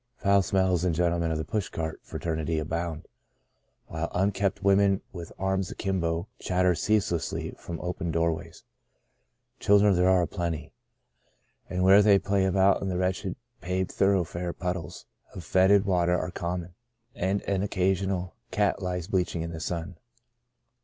Foul smells and gentlemen of the push cart fraternity abound, while unkempt women with arms akimbo chatter ceaselessly from open doorways. Children there are aplenty ; and where they play about in the wretchedly paved thor oughfare puddles of foetid water are com mon, and an occasional dead cat lies bleach ing in the sun.